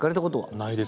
ないです。